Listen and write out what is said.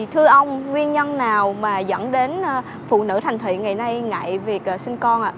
thưa ông nguyên nhân nào mà dẫn đến phụ nữ thành thị ngày nay ngại việc sinh con ạ